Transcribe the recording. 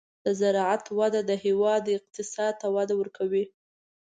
د زراعت وده د هېواد اقتصاد ته وده ورکوي.